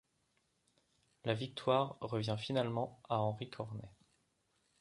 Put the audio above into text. La victoire revient finalement à Henri Cornet.